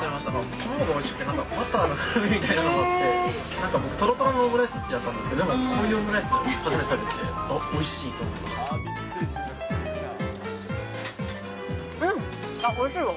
卵がおいしくて、なんかバターの風味が、なんかとろとろのオムライス好きだったんですけど、でもこういうオムライス初めて食べて、あっ、おいしうん！あっ、おいしいわ。